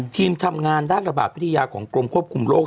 ทีมทำงานด้านระบาดวิทยาของกรมควบคุมโรค